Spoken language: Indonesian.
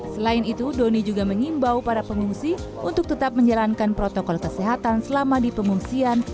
selain itu doni juga mengimbau para pengungsi untuk tetap menjalankan protokol kesehatan selama di pengungsian